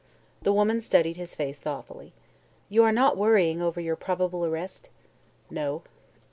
The woman studied his face thoughtfully. "You are not worrying over your probable arrest?" "No."